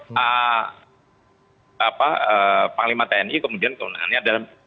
nah pak panglima tni kemudian kemenangannya dalam